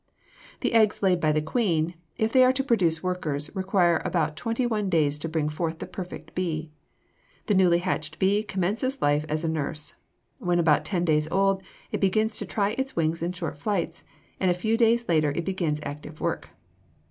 The eggs laid by the queen, if they are to produce workers, require about twenty one days to bring forth the perfect bee. The newly hatched bee commences life as a nurse. When about ten days old it begins to try its wings in short flights, and a few days later it begins active work.